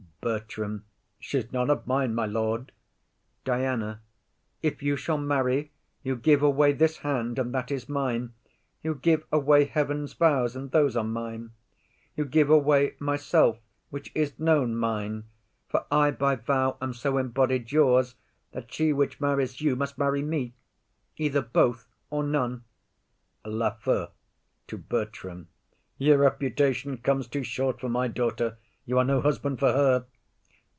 BERTRAM. She's none of mine, my lord. DIANA. If you shall marry, You give away this hand, and that is mine, You give away heaven's vows, and those are mine, You give away myself, which is known mine; For I by vow am so embodied yours That she which marries you must marry me, Either both or none. LAFEW. [To Bertram] Your reputation comes too short for my daughter; you are no husband for her.